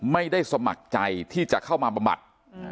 ไม่ได้สมัครใจที่จะเข้ามาบำบัด